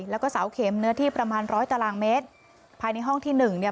แล้วก็เสาเข็มเนื้อที่ประมาณร้อยตารางเมตรภายในห้องที่หนึ่งเนี่ย